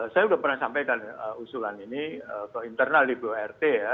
saya sudah pernah sampaikan usulan ini ke internal di burt ya